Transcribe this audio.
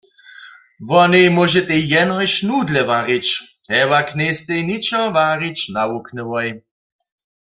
Wonej móžetej jenož nudle warić, hewak njejstej ničo warić nawuknyłoj.